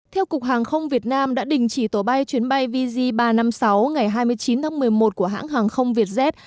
theo cục hàng không việt nam đã đình chỉ tổ bay chuyến bay vj ba trăm năm mươi sáu ngày hai mươi chín tháng một mươi một của hãng hàng không vietjet